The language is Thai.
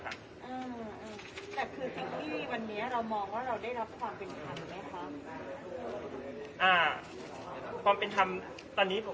แต่คือเซ็กที่วันนี้เรามองว่าว่าเราได้รับความเป็นทำไหมความกลัว